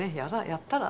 「やったら？」